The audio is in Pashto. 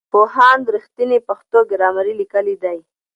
پوهاند رښتین پښتو ګرامر لیکلی دی.